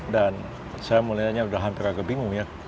dan saya mulainya sudah hampir agak bingung ya